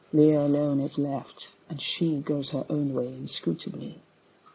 Leah alone is left, and she Goes her own way inscrutably.